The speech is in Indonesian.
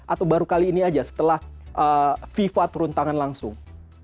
atau baru kali ini aja setelah fifa turun tangan langsung